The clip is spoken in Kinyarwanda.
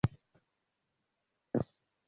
umwana wumukobwa urira mubitugu bya nyina